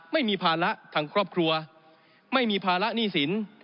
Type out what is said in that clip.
ไม่มีภาระทางครอบครัวไม่มีภาระหนี้สิน